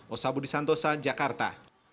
osabudi santosa jakarta